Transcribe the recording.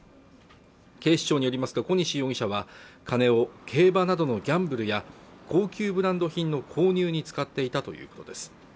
警視庁によりますと小西容疑者は金を競馬などのギャンブルや高級ブランド品の購入に使っていたということです